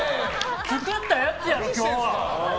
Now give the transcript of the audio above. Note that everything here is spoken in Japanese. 作ったやつやろ、今日は！